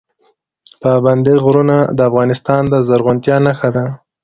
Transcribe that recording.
پابندی غرونه د افغانستان د زرغونتیا نښه ده.